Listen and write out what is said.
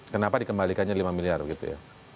kenapa dikembalikannya lima miliar begitu ya